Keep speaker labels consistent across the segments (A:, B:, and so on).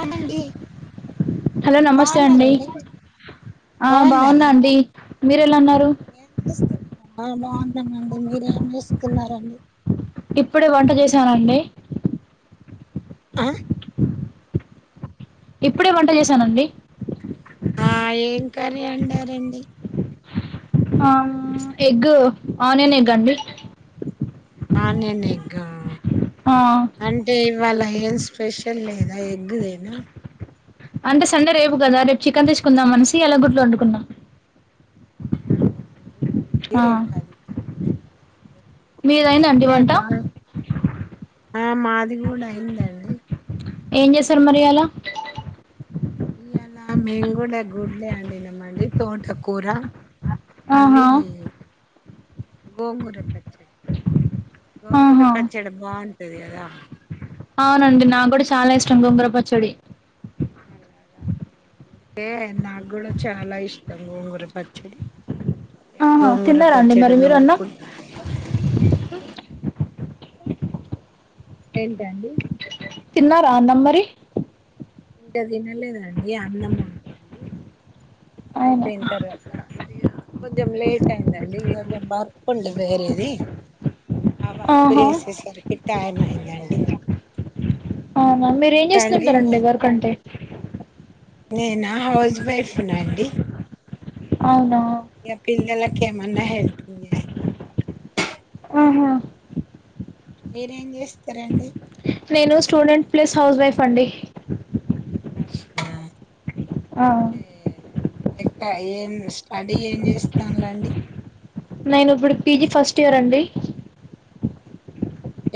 A: అవ్నండి
B: hello నమస్తే అండి ఆ బాగున్నా అండి మీరెలా ఉన్నారు
A: ఆ బాగున్నానండి మీరేం చేస్తున్నారండి
B: ఇప్పుడే వంట చేసానండి
A: ఆ
B: ఇప్పుడే వంట చేసానండి
A: ఆ ఏం కర్రీ అండారండి
B: ఆ ఎగ్ ఆనియన్ ఎగ్గండి
A: ఆనియన్ ఎగ్గా
B: ఆ
A: అంటే ఇవాళ ఏం స్పెషల్ లేదా ఎగ్గేనా
B: అంటే సండే రేపు కదా రేపు చికెన్ తెచ్కుందామనేసి అలా గుడ్లోండుకున్న
A: ఆహా ఇవాలిది
B: ఆ
A: రేపది
B: మీదైందా అండి
A: అంటే
B: వంట
A: బా ఆ మాది కూడైయిందండి
B: ఏం చేసారు మరి ఇయ్యాల
A: ఇయలా మేంగూడ గుడ్లే అండినమండి తోటకూర మళ్ళీ
B: ఆహా
A: గోంగూర పచ్చడి గోంగూర
B: ఆహా
A: పచ్చడ బాగుంటది గదా
B: అవ్నండి నాక్కూడ చాలా ఇష్టం గోంగూర పచ్చడి
A: అలాగా అంటే నాకు కూడా చాలా ఇష్టం గోంగుర పచ్చడి ఎ
B: ఆహా
A: గొంగుర
B: తిన్నారా అండి
A: పచ్చడి
B: మరి మీరు అన్నం
A: నూరుకు ఏంటండి
B: తిన్నరా అన్నం మరి
A: ఇంక తినలేదండి అన్నం అవుతోంది
B: అవునా
A: అయిపోయిన తర్వాత అయ్యా కొంచెం లేటైందండి ఇగ కొంచెం బర్పుండి వేరేది ఆ వర్క్
B: ఆహా
A: చేసే సరికి టైం అయిందండి
B: అవునా మీరు ఏం
A: ఇంకా అండి
B: చేస్తుంటారండి వర్క్ అంటే
A: నేనా హౌస్ వైఫ్ నండి
B: అవునా
A: ఇగ పిల్లలకి ఏమన్నా హేల్పింగ్ చేస్త
B: ఆహా
A: మీరేం చేస్తారండి
B: నేను స్టూడెంట్ ప్లస్ హౌస్ వైఫ్ అండి
A: అట్లానా
B: ఆ
A: అంటే ఎట్టా ఏం స్టడీ ఏం చేస్తానులాండి
B: నేను ఇప్పుడు పీజీ ఫస్ట్ ఇయర్ అండి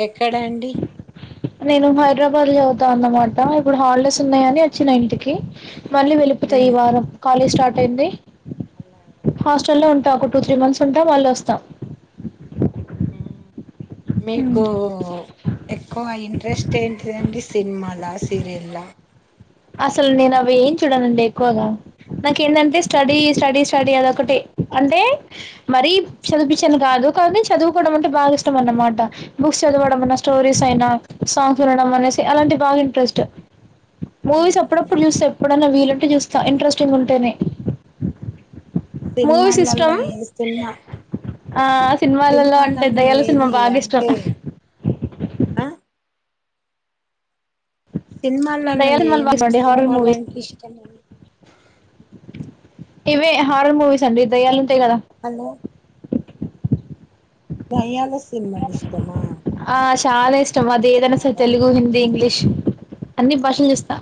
A: ఎక్కడ అండి
B: నేను హైదరాబాద్ లో చదువుతా అన్నమాట ఇప్పుడు హాలిడేస్ ఉన్నాయని వచ్చిన ఇంటికి మళ్ళీ వెళ్ళి పోతా ఈ
A: ఉమ్
B: వారం కాలేజ్ స్టార్ట్ అయింది
A: అలాగా
B: హాస్టల్ లో ఉంటా ఒక టూ త్రీ మంథ్స్ ఉంటా మళ్ళీ వస్తా
A: ఉమ్
B: హ్మ్
A: మీకు ఎక్కువ ఇంట్రెస్ట్ ఏంటిదండి సినిమాల సీరియల్లా
B: అసలు నేను అవి ఏం చూడనండి ఎక్కువగా నాకేంటంటే స్టడీ స్టడీ స్టడీ అదొకటి అంటే మరీ చదువుపిచ్చి కాదు కానీ చదువుకోవడం అంటే బాగా ఇష్టం అన్నమాట బుక్స్ చదువడం అన్న స్టోరీస్ అయినా సాంగ్స్ వినడం అనేసి అలాంటి బాగా ఇంట్రెస్ట్ మూవీస్ అప్పుడప్పుడు చూస్తా ఎప్పుడైనా వీలుంటే చూస్తా ఇంట్రెస్టింగ్ ఉంటేనే మూవీస్ ఇష్టం
A: సినిమాలలో ఏ సినిమా
B: ఆ సినిమాలలో అంటే దయ్యాల సినిమా
A: ఏది
B: బాగా ఇష్టం
A: అంటే ఆ సినిమాలలో
B: దయ్యాల సినిమాలు
A: ఏం
B: బాగా ఇష్టం అండి హారర్ మూవీస్
A: సినిమాలంటే ఇష్టం అండి
B: ఇవే హార్రర్ మూవీస్ అండి దయ్యలుంటాయ్ గద
A: హలో దయ్యాల సినిమాలు ఇష్టమా
B: ఆ చాలా ఇష్టం అది
A: దేవుళ్ళే
B: ఏదైనా సరే
A: కాదా
B: తెలుగు హిందీ ఇంగ్లీష్ అన్ని భాషలు చూస్తా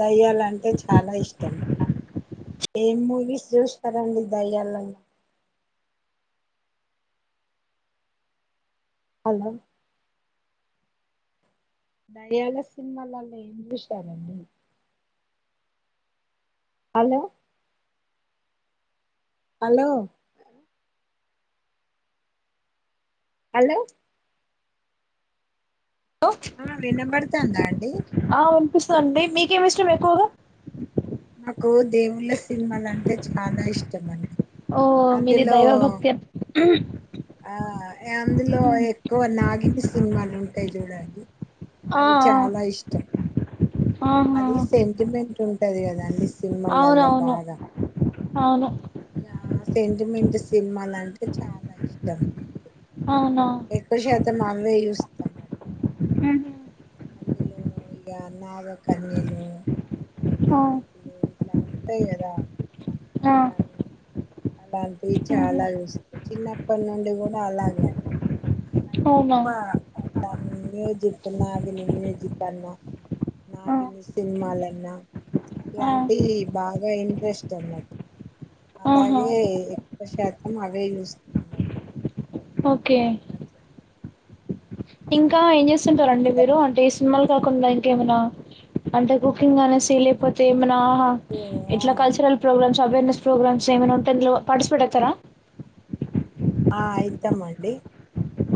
A: దయ్యాలంటే చాలా ఇష్టం ఏం మూవీస్ చూస్తారండి దయ్యాలలో హలో దయ్యాల సినిమాలలో ఏం చూస్తారండి హలో హలో హలో
B: కో
A: ఆ వినబడుతాందా అండి
B: ఆ వినిపిస్తదన్డి మీకేమిష్టం ఎక్కువగా
A: నాకు దేవుళ్ళ సినిమాలు అంటే చాలా ఇష్టం అండి
B: ఓ మీది
A: అందులో
B: దైవభక్తి అన్
A: ఆ అందులో ఎక్కువ నాగిని సినిమాల్ ఉంటాయ్ జూడండి
B: ఆ
A: అవి చాలా ఇష్టం
B: ఆ
A: అది
B: ఆహా
A: సెంటిమెంట్ ఉంటది గదండీ
B: అవునవును అవును
A: ఇగ సెంటిమెంట్ సినిమాలన్టె చాలా ఇష్టం
B: అవునా
A: ఎక్కువ శాతం అవే జూస్తా
B: ఆహు
A: [inaudible] అంతే గదా
B: ఆ
A: అని అలాంటివి చాలా జూస్తా చిన్నప్పటి నుండి కూడా అలాగే అండి నా
B: అవునా
A: ఎక్కువ అట్లా మ్యూజిక్ నాగిని మ్యూజికన్నా
B: ఆ
A: నాగిని సినిమాలైన్నా
B: ఆ
A: ఇలాంటి బాగా ఇంట్రెస్ట్ అన్నటు
B: ఆహా
A: అలాగే ఎక్కువ శాతం అవే చూస్తున్నా
B: ఓకే
A: అట్ల
B: ఇంకా ఏం
A: మళ్ళీ
B: జేస్తుంటరండి మీరు అడేస్ సిన్మాలు కాకుండా ఇంకేమనా అంటే కుకింగ్ అని [unintelligible] తిమన ఆహా
A: నాకు
B: ఇట్లా కల్చరల్ ప్రోగ్రామ్స్ అవేర్నెస్ ప్రోగ్రామ్స్ ఏమనా ఉంటే అందులో పార్టిస్పేట్టావుతారా
A: ఆ అయితమండి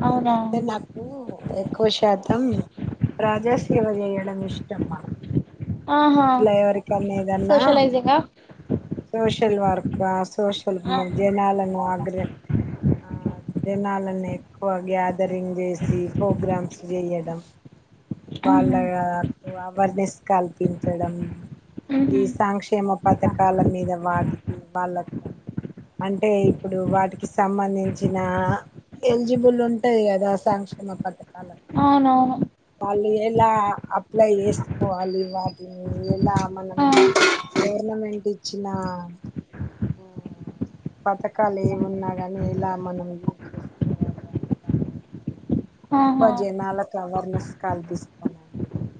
B: అవునా
A: ఏందంటే నాక్ నాకూ ఎక్కువ శాతం ప్రజాసేవ జెయడం ఇష్టమ్ నాక్
B: ఆహా
A: ఇట్లే ఎవరికన్న ఎదన్నా
B: సోషలైజింగా
A: సోషల్ వర్క్ ఆ సోషల్
B: ఆ
A: మ జనాలను ఆగ్ర ఆ జనాలని ఎక్కువ గ్యాదరింగ్ జేసి ప్రోగ్రామ్స్ జెయడం వాళ్ళ
B: మ్మ్
A: గదా టు అవేర్నెస్ కల్ప్ పించడం ఈ
B: మ్మ్
A: సంక్షేమ పథకాల మీద వాటికి వాళ్ళకు అంటే ఇప్పుడు వాటికి సంబంధించినా ఎల్జిబుల్ ఉంటది గదా సంక్షేమ పథకాల
B: అవునవును
A: వాళ్ళు ఎలా అప్లై చెస్కోవాలి వాటిని ఎలా మనం
B: ఆ
A: గౌర్నమెంటిచ్చిన పథకాలు ఏవున్నా గాని ఇలా మనం [inaudible] అనే దాని మీద ఎక్కువ
B: ఆహా
A: జనాలకు అవేర్నెస్ కల్పిస్తా [inaudible]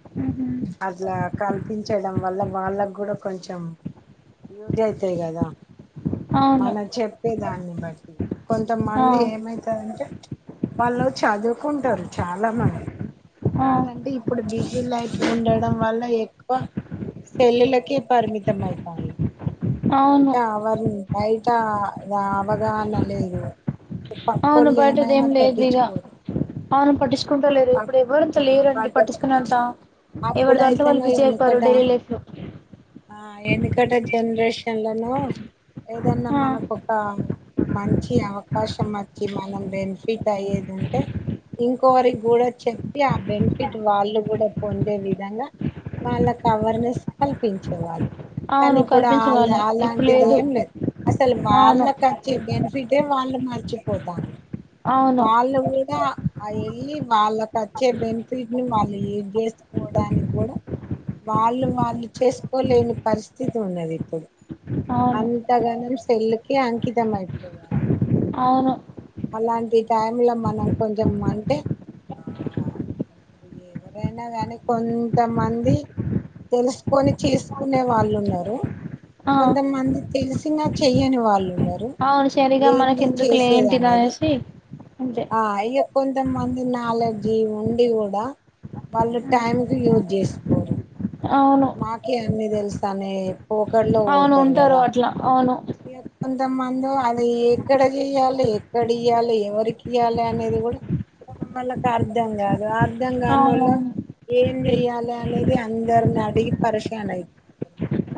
B: ఆహ్
A: అట్లా కల్పించడం వల్ల వాళ్ళక్ గూడా కొంచెం యూస్ అయితయ్ గదా
B: అవును
A: మన చెప్పేదాన్ని బట్టి
B: ఆ
A: కొంతమంది ఏమైతదంటే వాళ్ళు చదువుకుంటరు చాలా మంది,
B: ఆ
A: కాదండి ఇప్పుడు బిజీ లైఫ్ ఉండడం వల్ల ఎక్కువ పెళ్ళిల్లకే పరిమితం అయితాల్లు.
B: అవును
A: బైటా అవర్ బైటా అ అవగాహాన లేదు. పక్కొలేమైనా పట్టించుకోరు.
B: అవ్ను పట్టిచుంకుంట లేరు
A: పక్
B: ఇప్పుడేవరంత
A: ఆ
B: లేరండి
A: పట్టించుకోరు
B: పట్టించుకునేంతా. ఎవరి దాంట్లో వాళ్ళు
A: అప్పుడైతేనో
B: బిజి అయిపోయారు
A: ఎనకట
B: డైలీ లైఫ్లో.
A: ఆ ఎనకట జన్రేషన్లనో ఏదన్నా
B: ఆ
A: మనకు ఒక మంచి అవకాశం వచ్చి మనం బెనిఫిట్ అయ్యేదుంటే ఇంకోవరి కూడా చెప్పి ఆ బెనిఫిట్ వాళ్ళు కూడా పొందే విధంగా వాళ్ళకు అవర్నెస్ కల్పించేవాళ్ళు. కానీ
B: అవును
A: ఇప్పుడు
B: కల్పించే వాళ్ళు ఇప్పుడు
A: అఅలాంటిది ఏం లేదు అసలు
B: అవును
A: వాళ్ళకు వచ్చే బెనిఫిటే వాళ్ళు మర్చిపోతాంల్లు
B: అవును
A: వాళ్ళు కూడా ఆ వెళ్ళి వాళ్ళకు అచ్చే బెనిఫిట్ని వాళ్ళు ఏ యూస్ చేస్కోవడానికి కూడా వాళ్ళు వాళ్ళు చేస్కోలేని పరిస్థితి ఉన్నదిప్పుడు.
B: అవును
A: అంతగానం సెల్లుకే అంకితం అయిపోయారు. అన్నట్టు
B: అవును.
A: అలాంటి టైమ్ల మనం కొంచమంటే ఆ ఎవరైనా కానీ కొంతమంది తెలుసుకొని చేసుకునే వాళ్ళున్నరు.
B: ఆ
A: కొంతమంది తెలిసిన చెయ్యని వాళ్ళు ఉన్నరు.
B: అవును సరిగా మనకి ఎందుకులే
A: అనేది
B: ఎంటిదనేసి అంతే.
A: ఆ ఇగ కొంతమంది నాలెడ్జీ ఉండి కూడా వాళ్ళు టైంకి యూజ్ చేసుకోరు.
B: అవును
A: మాకే అన్ని తెలుసు అనే పోకడలో
B: అవును
A: పోతరు
B: ఉంటారు
A: కదా.
B: అట్లా అవును
A: ఇగ కొంత మందేమో అది ఎక్కడ చెయ్యాలె, ఎక్కడ ఇయ్యాలె, ఎవరికి ఇయ్యాలె అనేది కూడా పాపం వాళ్ళకు అర్ధం కాదు, అర్ధం
B: అవును
A: కానోళ్ళు ఏం చెయ్యాలే అనేది అందరిని అడిగి పరేశాన్ అయి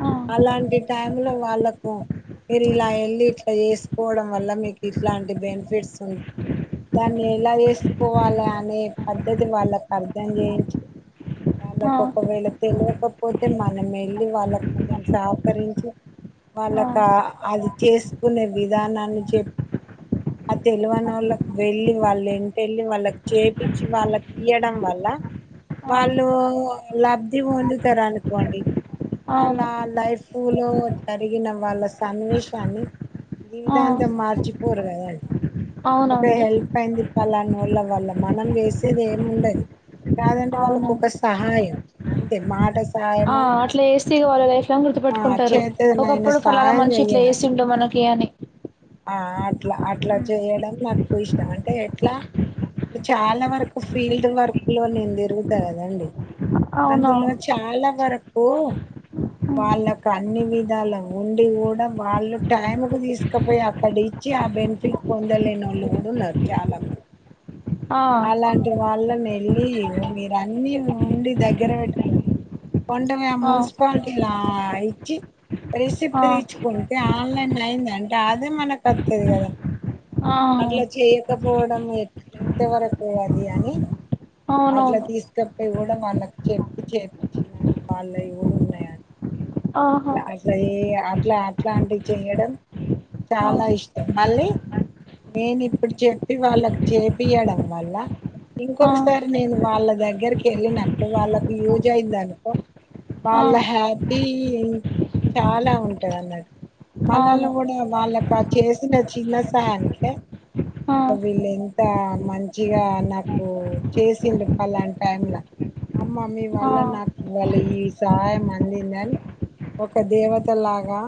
B: ఆ
A: అలాంటి టైమ్లో వాళ్ళకు మీరిలా ఎళ్ళి ఇట్లా చేసుకోవడం వల్ల మీకు ఇట్లాంటి బెనిఫిట్స్ ఉం దాన్ని ఎలా చేసుకోవాలె అనే పద్ధతి వాళ్ళకు అర్థం చేయించి
B: ఆ
A: వాళ్ళకు ఒకవేళ తెలువకపోతే మనం ఎళ్ళి వాళ్ళకు కొంచెం సహకరించి వాళ్ళకు ఆ అది చేసుకునే విధానాన్ని చెప్ ఆ తెలువనొళ్ళకు వెళ్ళి వాళ్ళ ఎంటెళ్ళి వాళ్ళకి చేపిచ్చి వాళ్ళకియ్యడం వల్లా
B: ఆ
A: వాళ్ళు లబ్ధి పొందుతరు అనుకోండి. వాళ్ళ
B: అవును
A: లైఫులో జరిగిన వాళ్ళ సన్నివేశాన్ని
B: ఆ
A: జీవితాంతం మార్చిపోరు కదండి ఒక
B: అవునండి
A: హెల్ పైంది పాలానోళ్ళ వల్ల మనం చేసేది ఏం ఉండది కాదంటే
B: అవునవును
A: వాళ్ళకొక సహాయం అంతే మాట
B: ఆ
A: సహాయము
B: అట్లా చేస్తే ఇగ వాళ్ళు లైఫ్ లాంగ్
A: ఆ
B: గుర్తుపెట్టుకుంటరు.
A: చేతనైన
B: ఒకప్పుడు ఫ లాన
A: సహాయం
B: మనిషి ఇట్ల
A: చెయ్యడం
B: చేసిండు మనకీ అని.
A: ఆ అట్ల అట్ల చేయడం నాకు ఇష్టం అంటే ఎట్లా ఇప్పుడు చాలా వరకు ఫీల్డ్ వర్క్లో నేన్ తిరుగుత కదండి.
B: అవునా
A: అందులో చాలా వరకు వాళ్ళకు అన్ని విధాలుగా ఉం అది కూడా వాళ్ళు టైముకు తీసుకపోయి అక్కడ ఇచ్చి ఆ బెనిఫిట్ పొందలేనొళ్ళు కూడా ఉన్నారు చాలా మంది
B: ఆ
A: అలాంటి వాళ్ళనెళ్ళి మీరు అన్నీ ఉండి దగ్గర పెట్టుకొని కొండమైన
B: ఆ
A: మున్సిపాలిటీలా ఇచ్చి
B: ఆ
A: రిసిప్ట్ తీచ్ ఉంటే ఆన్లైన్ అయింది అంటే అదే మనకు అత్తది కదా
B: ఆ
A: అట్లా చేయకపోవడం ఎ ఎంత వరకు అది అని అట్లా
B: అవునవును
A: తీసుకపోయి కూడా వాళ్ళకి చెప్పి చేపిచ్చిన వాళ్ళయి కూడా ఉన్నాయి అని
B: ఆహా
A: అట్ల అట్ల ఏ అట్ల అట్లాంటివి చేయడం
B: ఆ
A: చాలా ఇష్టం మళ్ళీ నేనిప్పుడు చెప్పి వాళ్ళకి చేపియ్యడం వళ్ళ
B: ఆ
A: ఇంకొకసారి నేను వాళ్ళ దగ్గరికి ఎల్లినట్టు వాల్లకు యూజ్ అయిందనుకో
B: ఆ
A: వాళ్ళా హ్యాపీ చాలా ఉంటాదన్నాటు
B: అవును
A: మనల్ని కూడా వాళ్ళ వాళ్లకి చేసిన చిన్న సయానీకె
B: ఆ
A: అబ్బ వీల్లెంత మంచిగా నాకు చేసిండు ఫలానా టైమ్లా అమ్మ మీ
B: ఆ
A: వల్ల నాకివాల్ల ఈ సహాయం అందిందని ఒక దేవత లాగా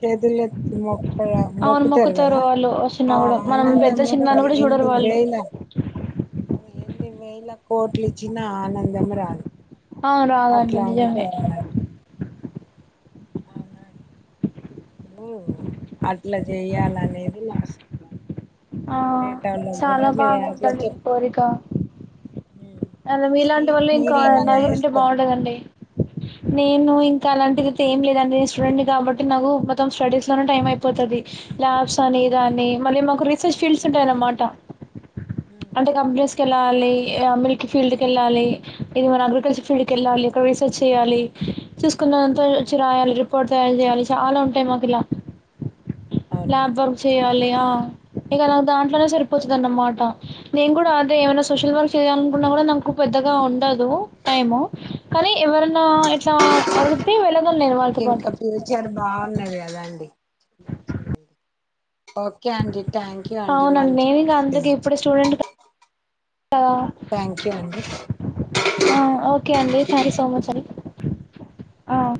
A: చేతులెత్తి మొ అక్కడ
B: అవును
A: మొక్కుతరు
B: మొక్కుతారు
A: కదా
B: వాళ్ళు చిన్న
A: ఆ
B: కూడా మనం పెద్ద
A: ఆనందము
B: చిన్న అని కూడా చూడరు
A: ఎన్ని
B: వాళ్ళు
A: వేల ఎన్ని వేల కోట్లిచ్చిన ఆ ఆనందం రాదు
B: అవును రాదండి నిజమే
A: అట్లంటరా మరి అవునా ఇప్పుడు అట్లా చేయాలనేది నా ఆశ
B: ఆ
A: వేరేతటొల్లక్ గుడ
B: చాలా
A: అట్ల
B: బాగుందండి మీ
A: జేయల్సొచ్చేది
B: కోరిక
A: ఉమ్
B: అలా మీలాంటి
A: మీరు
B: వాళ్ళు ఇంకా
A: మీరేమన్నా
B: నలుగురు ఉంటే
A: జేస్తరా మేడమ్
B: బాగుంటదండి నేను ఇంకా అలాంటివయితే ఏం లేదండి నే స్టూడెంట్ని కాబట్టి నాకు మొత్తం స్టడీస్ లోనే టైం అయిపోతది ల్యాబ్స్ అని దాన్ని మళ్ళీ మాకు రీసెర్చ్ ఫీల్డ్స్ ఉంటాయన్నమాట
A: ఉమ్
B: కంపెనీస్ కి వెళ్ళాలి మిల్క్ ఫీల్డ్ కి వెళ్ళాలి ఇకా మన అగ్రికల్చర్ ఫీల్డ్ కి వెళ్ళాలి అక్కడ రీసెర్చ్ చేయాలి చూసుకున్నంతా ఓచ్చి రాయాలి రిపోర్ట్ తయారు జేయాలి చాలా ఉంటాయి మాకు ఇలా
A: అవునా
B: ల్యాబ్ వర్క్ చేయాలి ఆహ్ ఇగ నాక్ దాంట్లోనే సరిపోతది అన్నమాట నేను గూడా అదే ఏమైనా సోషల్ వర్క్ చేయలనుకున్నా గుడా నాక్ నాకు పెద్దగా ఉండదూ టైము కానీ ఎవరనా ఇట్లా అడుగుతే వెళ్ళగలను నేను
A: మీకు ఇంకా
B: వాళ్లతోపాటు
A: ఫ్యూచర్ బాగున్నది కదాండి ఓకే అండి థ్యాంక్ యు
B: ఔనండి నేను ఇగ అందుకే ఇప్పుడు స్టూడెంట్ గా
A: థ్యాంక్ యూ అండి
B: ఆహ్ ఓకే అండి థ్యాంక్ యూ సో మచ్ అండి ఆహ్